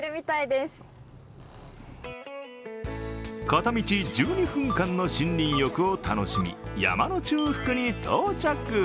片道１２分間の森林浴を楽しみ、山の中腹に到着。